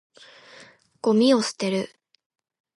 ゴミを捨てる。